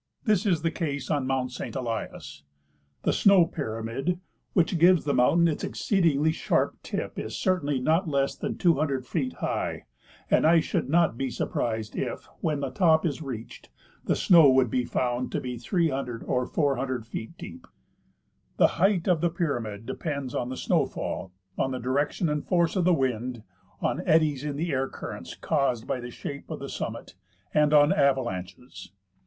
This is the case on mount Saint Elias. The snow pyramid which gives the mountain its exceedingly sharp tip is certainly not less than 200 feet high, and 1 should not be surprised if, when the top is reached, the snow would be found to be 300 or 400 feet deep. The height of the pyramid depends on the snowfall, on the direction and force of the wind, on eddies in the air currents caused by the shape of the summit, and onavalanches.